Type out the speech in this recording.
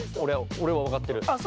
俺はわかってる。